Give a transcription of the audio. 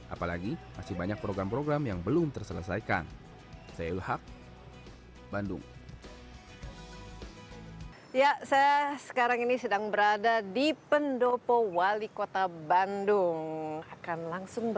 apalagi masih banyak program program yang belum terselesaikan